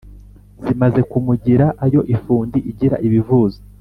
zimaze kumugira ayo ifundi igira ibivuzo,